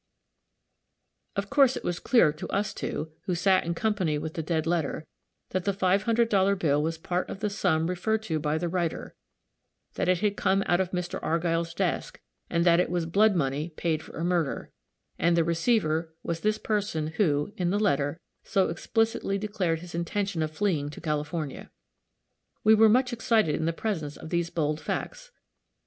Of course, it was clear to us two, who sat in company with the dead letter, that the five hundred dollar bill was a part of the sum referred to by the writer; that it had come out of Mr. Argyll's desk, and that it was blood money paid for a murder; and the receiver was this person who, in the letter, so explicitly declared his intention of fleeing to California. We were much excited in the presence of these bold facts.